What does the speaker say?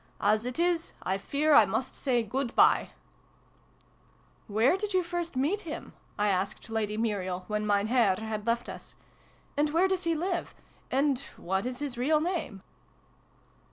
"As it is 1 fear I must say good bye !"" Where did you first meet him ?" I asked Lady Muriel, when Mein Herr had left us. " And where does he live ? And what is his real name